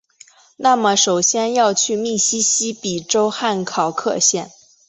那么首先要去密西西比州汉考克县！